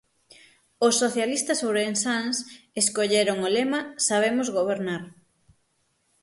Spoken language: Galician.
Os socialistas ourensáns escolleron o lema Sabemos Gobernar.